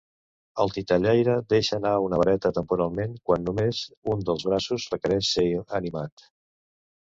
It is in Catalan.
El titellaire deixa anar una vareta temporalment quan només un dels braços requereix ser animat.